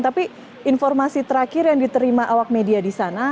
tapi informasi terakhir yang diterima awak media di sana